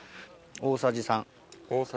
大さじ３。